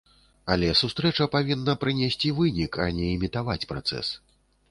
Але сустрэча павінна прынесці вынік, а не імітаваць працэс.